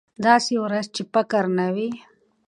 داسې ورځ چې فقر نه وي.